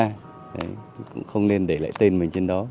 đấy cũng không nên để lại tên mình trên đó